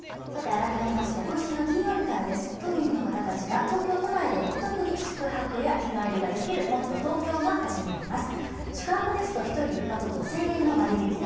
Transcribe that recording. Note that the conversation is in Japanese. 改めまして、今週の金曜日から都民の方たちが東京都内でお得に宿泊や日帰りができるもっとＴｏｋｙｏが始まります。